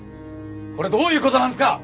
これどういう事なんですか？